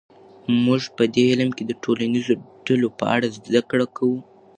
موږ په دې علم کې د ټولنیزو ډلو په اړه زده کړه کوو.